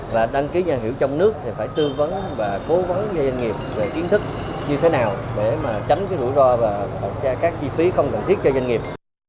và đăng ký doanh nghiệp trong nước thì phải tư vấn và cố vấn cho doanh nghiệp về kiến thức như thế nào để mà tránh cái rủi ro và các chi phí không cần thiết cho doanh nghiệp